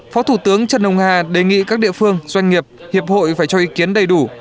phó thủ tướng trần hồng hà đề nghị các địa phương doanh nghiệp hiệp hội phải cho ý kiến đầy đủ